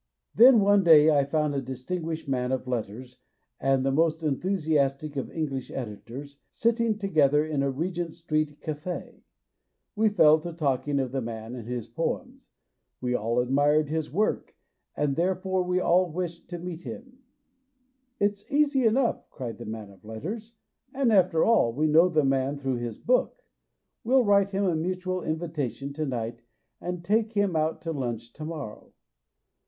Then one day I found a distinguished man of letters and the most enthusiastic of Eng lish editors sitting together in a Regent Street cafe. We fell to talking of the man and his 218 MONOLOGUES poems. We all admired his work, and, therefore, we all wished to meet him. "It's easy enough," cried the man of letters, " and after all we know the man through his book. We'll write him a mutual invitation to night, and take him out to lunch to morrow."